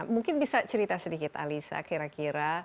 mungkin bisa cerita sedikit alisa kira kira